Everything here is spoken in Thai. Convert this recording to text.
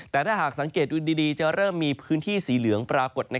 แต่ถ้าหากสังเกตดูดีจะเริ่มมีพื้นที่สีเหลืองปรากฏ